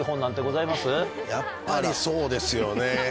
やっぱりそうですよね。